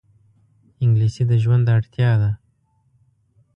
انګلیسي د ژوند اړتیا ده